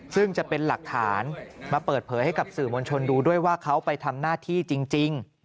ซึ่งจะเป็นหลักฐานมาเปิดเผยให้กับสื่อมวลชนดูด้วยว่าเขาไปทำหน้าที่จริง